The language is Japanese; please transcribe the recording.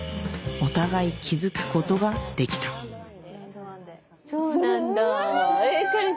お互い気付くことができたそうなんだ彼氏